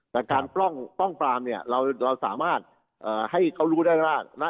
แต่การป้องปรามเนี่ยเราสามารถให้เขารู้ได้ว่านะ